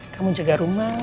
kamu jaga rumah